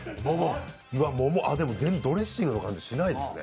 でもドレッシングの感じしないですね。